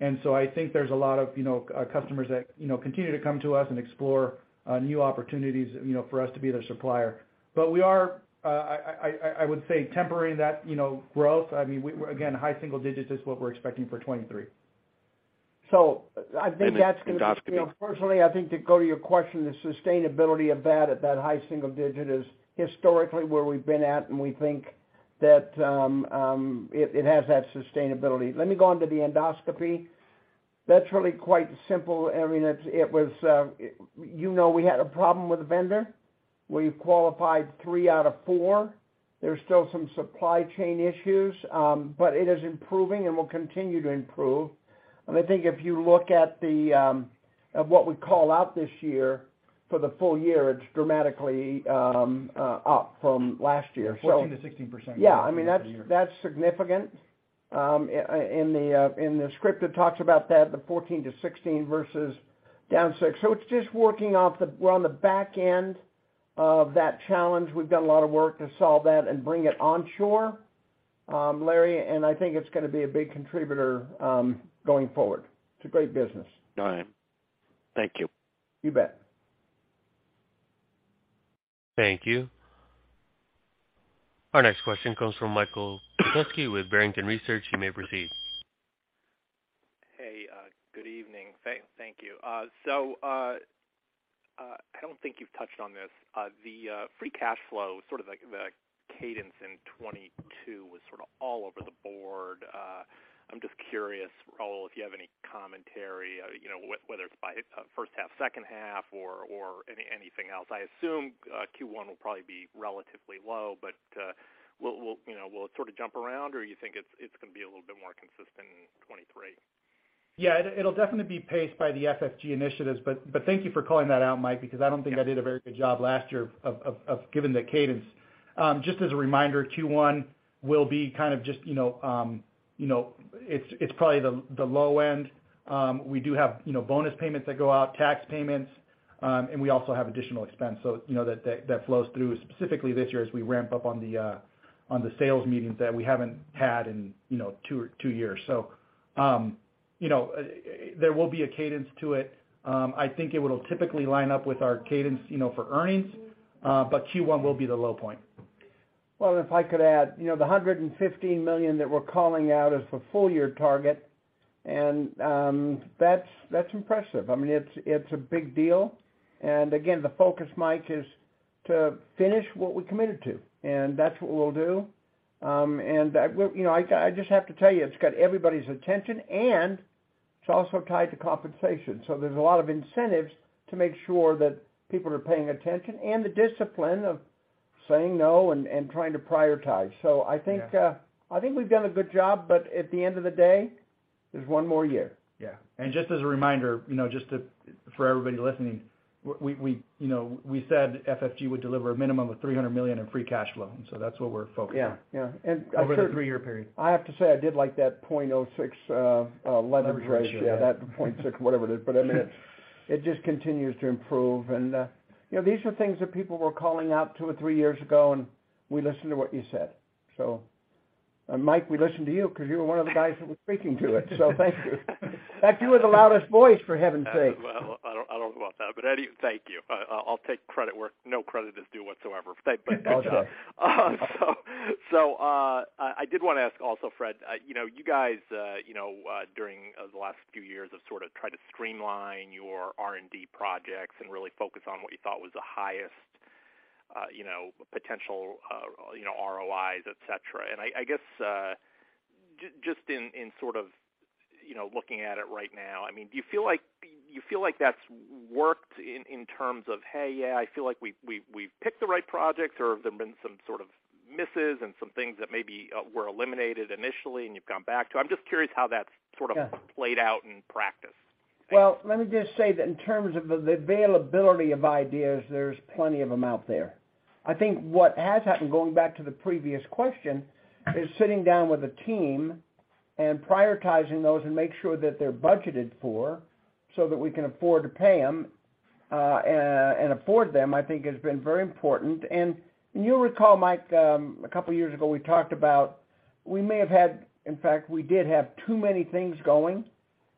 I think there's a lot of, you know, customers that, you know, continue to come to us and explore new opportunities, you know, for us to be their supplier. We are, I would say temporary that, you know, growth. I mean, again, high single digits is what we're expecting for 23. I think that's. Endoscopy. You know, personally, I think to go to your question, the sustainability of that at that high single digit is historically where we've been at, and we think that it has that sustainability. Let me go on to the endoscopy. That's really quite simple. I mean, it was, you know, we had a problem with a vendor. We've qualified three out of four. There's still some supply chain issues, but it is improving and will continue to improve. I think if you look at what we call out this year for the full year, it's dramatically up from last year. 14%-16%. Yeah. I mean, that's significant. In the script, it talks about that, the 14 to 16 versus down 6. It's just, we're on the back end of that challenge. We've done a lot of work to solve that and bring it onshore, Larry, and I think it's gonna be a big contributor going forward. It's a great business. All right. Thank you. You bet. Thank you. Our next question comes from Michael Petusky with Barrington Research. You may proceed. Hey, good evening. Thank you. I don't think you've touched on this. The free cash flow, sort of the cadence in 2022 was sort of all over the board. I'm just curious, Raul, if you have any commentary, you know, whether it's by first half, second half or anything else. I assume Q1 will probably be relatively low, but, you know, will it sort of jump around or you think it's gonna be a little bit more consistent in 2023? It'll definitely be paced by the FFG initiatives, but thank you for calling that out, Mike, because I don't think I did a very good job last year of giving the cadence. Just as a reminder, Q1 will be kind of just, you know, it's probably the low end. We do have, you know, bonus payments that go out, tax payments, and we also have additional expense. You know, that flows through specifically this year as we ramp up on the sales meetings that we haven't had in, you know, 2 years. You know, there will be a cadence to it. I think it will typically line up with our cadence, you know, for earnings, but Q1 will be the low point. Well, if I could add, you know, the $115 million that we're calling out is the full year target, and that's impressive. I mean, it's a big deal. Again, the focus, Mike, is to finish what we committed to, and that's what we'll do. You know, I just have to tell you, it's got everybody's attention, and it's also tied to compensation. There's a lot of incentives to make sure that people are paying attention and the discipline of saying no and trying to prioritize. Yeah. I think, I think we've done a good job, but at the end of the day, there's 1 more year. Yeah. just as a reminder, you know, for everybody listening, we, you know, we said FFG would deliver a minimum of $300 million in free cash flow. that's what we're focused on. Yeah, yeah. I third- Over the three-year period. I have to say, I did like that 0.06 leverage ratio. Leverage ratio. Yeah, that 0.6, whatever it is. I mean, it just continues to improve. You know, these are things that people were calling out 2 or 3 years ago, and we listened to what you said. Mike, we listened to you because you were 1 of the guys that was speaking to it, so thank you. In fact, you were the loudest voice, for heaven's sake. Well, I don't, I don't know about that, but anyway, thank you. I'll take credit where no credit is due whatsoever. I'll say. I did wanna ask also, Fred, you know, you guys, you know, during the last few years have sort of tried to streamline your R&D projects and really focus on what you thought was the highest, you know, potential, you know, ROIs, et cetera. I guess, just in sort of, you know, looking at it right now, I mean, do you feel like that's worked in terms of, "Hey, yeah, I feel like we've picked the right projects?" Or have there been some sort of misses and some things that maybe were eliminated initially and you've gone back to? I'm just curious how that's sort of. Yeah. played out in practice. Well, let me just say that in terms of the availability of ideas, there's plenty of them out there. I think what has happened, going back to the previous question, is sitting down with a team and prioritizing those and make sure that they're budgeted for so that we can afford to pay them and afford them, I think has been very important. You'll recall, Mike, a couple of years ago, we talked about, we may have had, in fact, we did have too many things going.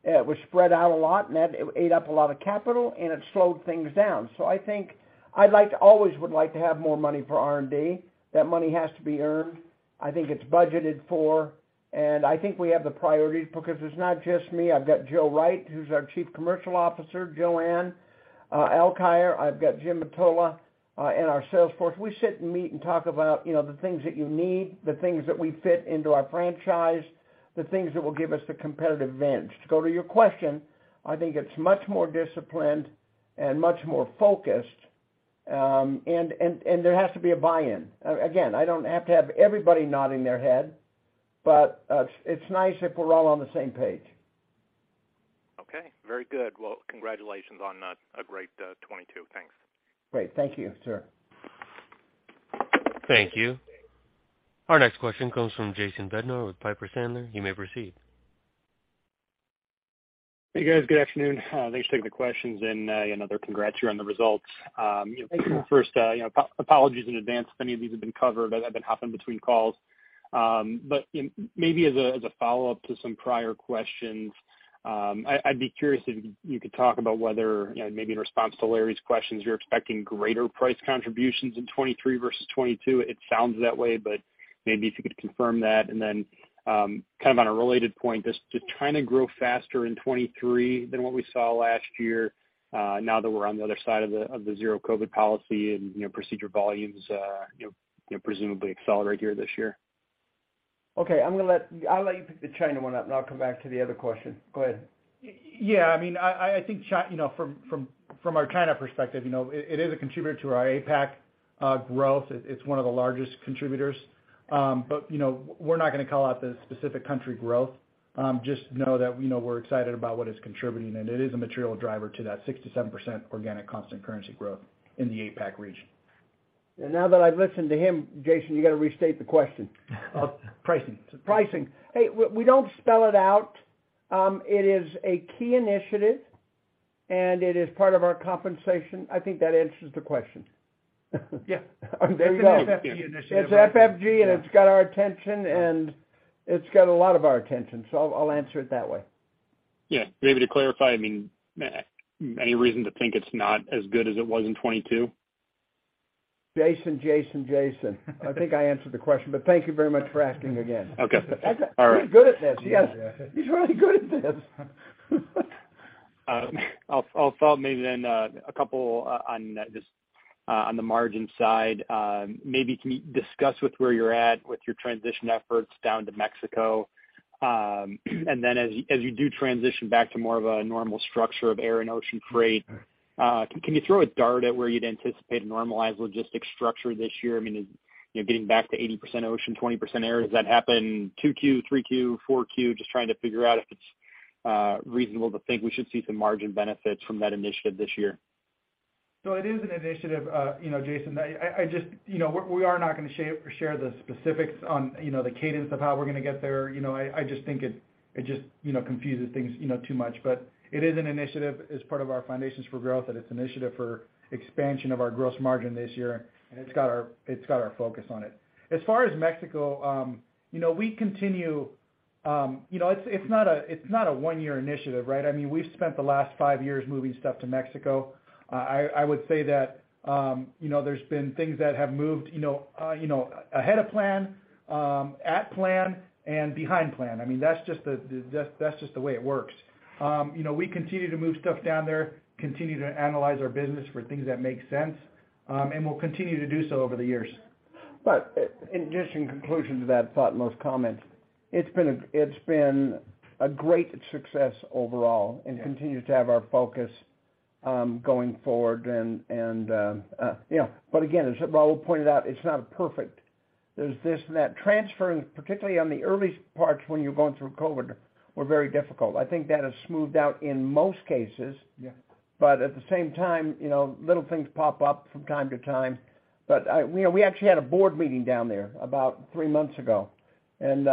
It was spread out a lot, and it ate up a lot of capital, and it slowed things down. I think I'd always like to have more money for R&D. That money has to be earned. I think it's budgeted for, and I think we have the priorities because it's not just me. I've got Joe Wright, who's our Chief Commercial Officer, JoAnne Alkire. I've got Jim Mottola in our sales force. We sit and meet and talk about, you know, the things that you need, the things that we fit into our franchise, the things that will give us the competitive advantage. To go to your question, I think it's much more disciplined and much more focused, and there has to be a buy-in. Again, I don't have to have everybody nodding their head, but it's nice if we're all on the same page. Okay. Very good. Well, congratulations on a great 2022. Thanks. Great. Thank you, sir. Thank you. Our next question comes from Jason Bednar with Piper Sandler. You may proceed. Hey, guys. Good afternoon. thanks for taking the questions, and another congrats here on the results. Thank you. First, you know, apologies in advance if any of these have been covered. I've been hopping between calls. But maybe as a follow-up to some prior questions, I'd be curious if you could talk about whether, you know, maybe in response to Larry's questions, you're expecting greater price contributions in 2023 versus 2022. It sounds that way, but maybe if you could confirm that. Then, kind of on a related point, just trying to grow faster in 2023 than what we saw last year, now that we're on the other side of the zero COVID policy and, you know, procedure volumes, presumably accelerate here this year. Okay, I'll let you pick the China one up, and I'll come back to the other question. Go ahead. Yeah, I mean, I think you know, from our China perspective, you know, it is a contributor to our APAC growth. It's one of the largest contributors. You know, we're not gonna call out the specific country growth. Just know that, you know, we're excited about what it's contributing, and it is a material driver to that 6%-7% organic constant currency growth in the APAC region. Now that I've listened to him, Jason, you gotta restate the question. Pricing. Pricing. Hey, we don't spell it out. It is a key initiative, and it is part of our compensation. I think that answers the question. Yeah. There you go. It's an FFG initiative. It's FFG, and it's got our attention, and it's got a lot of our attention. I'll answer it that way. Yeah. Maybe to clarify, I mean, any reason to think it's not as good as it was in 2022? Jason, Jason. I think I answered the question. Thank you very much for asking again. Okay. All right. He's good at this. He's really good at this. I'll follow up maybe then, a couple on just on the margin side. Maybe can you discuss with where you're at with your transition efforts down to Mexico? As you do transition back to more of a normal structure of air and ocean freight, can you throw a dart at where you'd anticipate a normalized logistics structure this year? I mean, you know, getting back to 80% ocean, 20% air, does that happen 2Q, 3Q, 4Q? Just trying to figure out if it's reasonable to think we should see some margin benefits from that initiative this year. It is an initiative, you know, Jason. You know, we are not gonna share the specifics on, you know, the cadence of how we're gonna get there. You know, I just think it just, you know, confuses things, you know, too much. It is an initiative. It's part of our Foundations for Growth, that it's an initiative for expansion of our gross margin this year, and it's got our focus on it. As far as Mexico, you know, we continue. You know, it's not a 1-year initiative, right? I mean, we've spent the last 5 years moving stuff to Mexico. I would say that, you know, there's been things that have moved, you know, you know, ahead of plan, at plan, and behind plan. I mean, that's just the way it works. You know, we continue to move stuff down there, continue to analyze our business for things that make sense. We'll continue to do so over the years. And just in conclusion to that thought and those comments, it's been a great success overall and continues to have our focus going forward and you know. Again, as Raul pointed out, it's not perfect. There's this and that. Transferring, particularly on the early parts when you're going through COVID, were very difficult. I think that has smoothed out in most cases. Yeah. At the same time, you know, little things pop up from time to time. You know, we actually had a board meeting down there about 3 months ago, and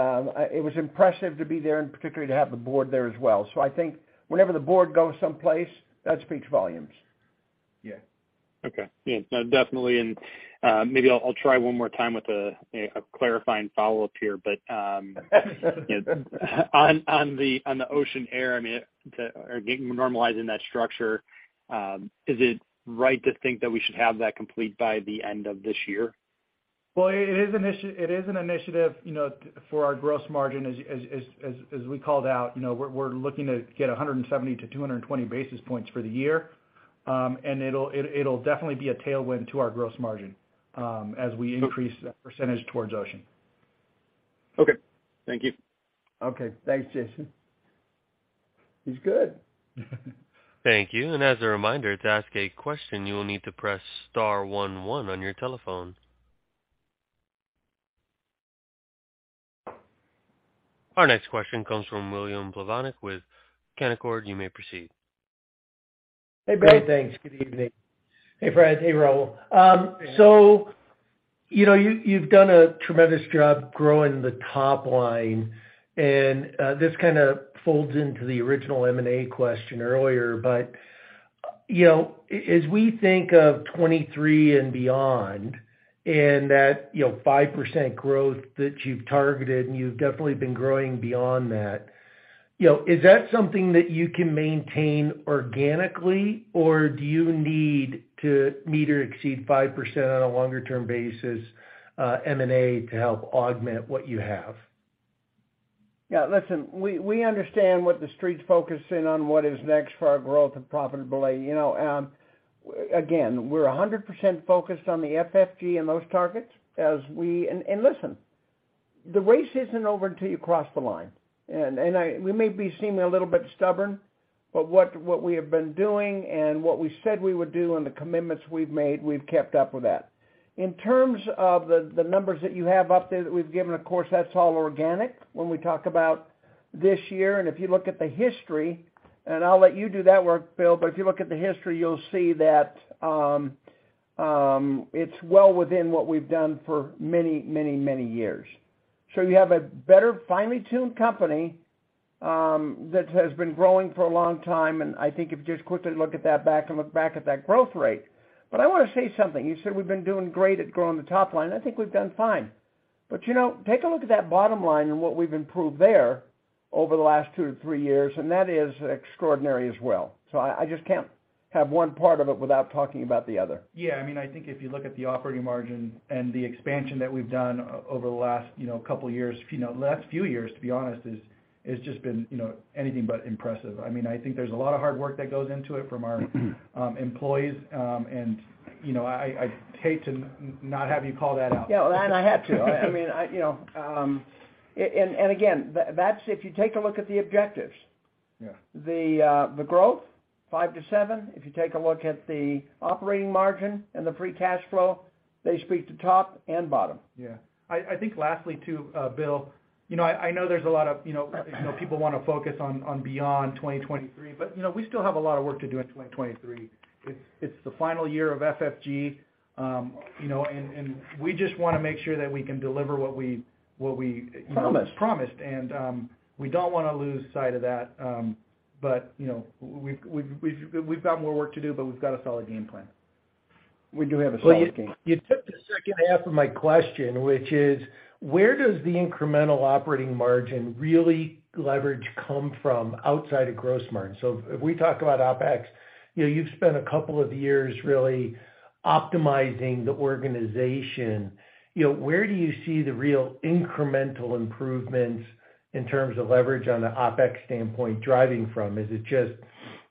it was impressive to be there, and particularly to have the board there as well. I think whenever the board goes someplace, that speaks volumes. Yeah. Okay. Yeah, no, definitely. Maybe I'll try one more time with a clarifying follow-up here. You know, on the, on the ocean air, I mean, or normalizing that structure, is it right to think that we should have that complete by the end of this year? Well, it is an initiative, you know, for our gross margin as we called out. You know, we're looking to get 170-220 basis points for the year. It'll definitely be a tailwind to our gross margin as we increase that percentage towards OUS. Okay. Thank you. Okay. Thanks, Jason. He's good. Thank you. As a reminder, to ask a question, you will need to press star 11 on your telephone. Our next question comes from William Plovanic with Canaccord. You may proceed. Hey, Bill. Hey, thanks. Good evening. Hey, Fred. Hey, Raul. You know, you've done a tremendous job growing the top line, and this kind of folds into the original M&A question earlier. You know, as we think of 2023 and beyond and that, you know, 5% growth that you've targeted, and you've definitely been growing beyond that, you know, is that something that you can maintain organically, or do you need to meet or exceed 5% on a longer term basis, M&A, to help augment what you have? Yeah, listen, we understand what the street's focusing on, what is next for our growth and profitability. You know, again, we're 100% focused on the FFG and those targets. Listen, the race isn't over until you cross the line. We may be seeming a little bit stubborn, but what we have been doing and what we said we would do and the commitments we've made, we've kept up with that. In terms of the numbers that you have up there that we've given, of course, that's all organic when we talk about this year. If you look at the history, and I'll let you do that work, Bill, but if you look at the history, you'll see that it's well within what we've done for many years. You have a better finely tuned company, that has been growing for a long time, and I think if you just quickly look at that back and look back at that growth rate. I wanna say something. You said we've been doing great at growing the top line, and I think we've done fine. You know, take a look at that bottom line and what we've improved there over the last two to three years, and that is extraordinary as well. I just can't have one part of it without talking about the other. Yeah. I mean, I think if you look at the operating margin and the expansion that we've done over the last, you know, couple years, you know, last few years, to be honest, it's just been, you know, anything but impressive. I mean, I think there's a lot of hard work that goes into it from our employees. You know, I'd hate to not have you call that out. Yeah, I had to. I mean, I, you know. Again, that's if you take a look at the objectives. The growth, 5% to 7%. If you take a look at the operating margin and the free cash flow, they speak to top and bottom. Yeah. I think lastly to Bill, you know, I know there's a lot of, you know, people wanna focus on beyond 2023, but, you know, we still have a lot of work to do in 2023. It's the final year of FFG, you know, and we just wanna make sure that we can deliver what we. Promised. promised. We don't wanna lose sight of that, but, you know, we've got more work to do, but we've got a solid game plan. We do have a solid game plan. You took the second half of my question, which is, where does the incremental operating margin really leverage come from outside of gross margin? If we talk about OpEx, you know, you've spent a couple of years really optimizing the organization. You know, where do you see the real incremental improvements in terms of leverage on the OpEx standpoint driving from? Is it just,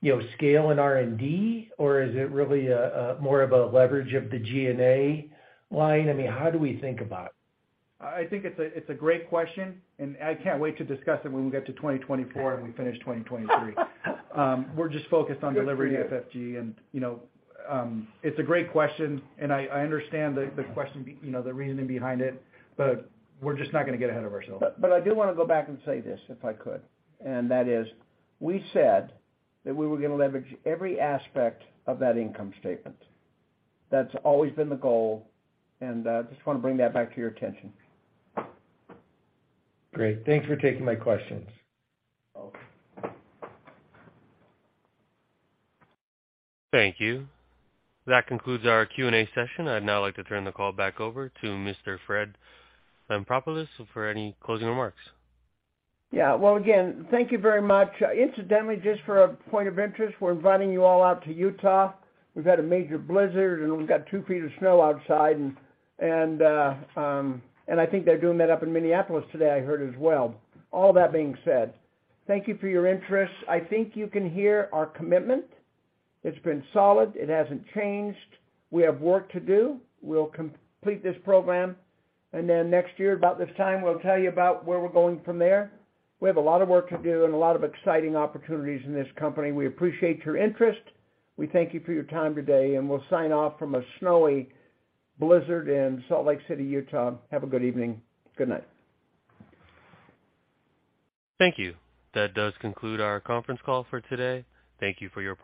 you know, scale and R&D, or is it really a more of a leverage of the G&A line? How do we think about it? I think it's a, it's a great question, and I can't wait to discuss it when we get to 2024 and we finish 2023. We're just focused on delivering FFG and, you know, it's a great question, and I understand the question, you know, the reasoning behind it, but we're just not gonna get ahead of ourselves. I do wanna go back and say this, if I could, and that is, we said that we were gonna leverage every aspect of that income statement. That's always been the goal, and just wanna bring that back to your attention. Great. Thanks for taking my questions. Welcome. Thank you. That concludes our Q&A session. I'd now like to turn the call back over to Mr. Fred Lampropoulos for any closing remarks. Yeah. Well, again, thank you very much. Incidentally, just for a point of interest, we're inviting you all out to Utah. We've had a major blizzard and we've got two feet of snow outside, and I think they're doing that up in Minneapolis today, I heard as well. All that being said, thank you for your interest. I think you can hear our commitment. It's been solid. It hasn't changed. We have work to do. We'll complete this program, and then next year, about this time, we'll tell you about where we're going from there. We have a lot of work to do and a lot of exciting opportunities in this company. We appreciate your interest. We thank you for your time today, and we'll sign off from a snowy blizzard in Salt Lake City, Utah. Have a good evening. Good night. Thank you. That does conclude our conference call for today. Thank you for your participation.